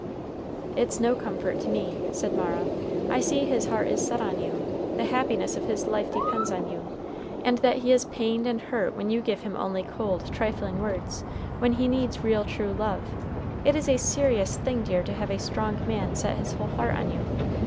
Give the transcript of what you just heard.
"It's no comfort to me," said Mara. "I see his heart is set on you the happiness of his life depends on you and that he is pained and hurt when you give him only cold, trifling words when he needs real true love. It is a serious thing, dear, to have a strong man set his whole heart on you.